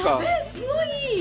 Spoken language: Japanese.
すごいいい。